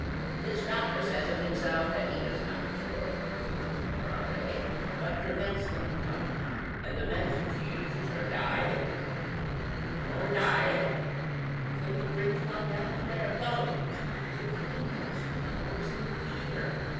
This doctor says of himself that he does not cure diseases when there are any, but prevents them coming, and the medicines he uses are diet and more diet, until he brings one down to bare bones; as if leanness was not worse than fever.